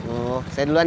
oh saya duluan ya